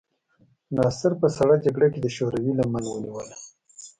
ناصر په سړه جګړه کې د شوروي لمن ونیوله.